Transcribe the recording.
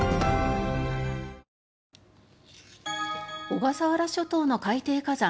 小笠原諸島の海底火山